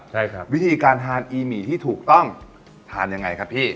ใช่ครับวิธีการทานอีหมี่ที่ถูกต้องทานยังไงครับพี่